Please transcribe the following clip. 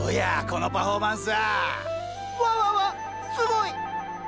このパフォーマンスは！わわわすごい！